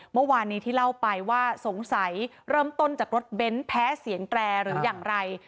เมื่อวานนี้ที่เล่าไปว่าสงสัยเริ่มต้นจากรถเบนท์แพ้เสียงแตรหรืออย่างไร